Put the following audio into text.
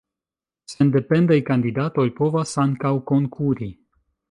Sendependaj kandidatoj povas ankaŭ konkuri.